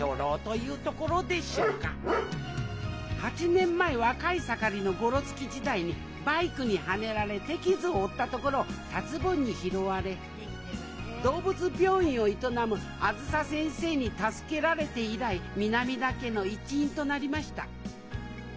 ８年前若い盛りのゴロツキ時代にバイクにはねられ手傷を負ったところを達ぼんに拾われ動物病院を営むあづさ先生に助けられて以来南田家の一員となりました。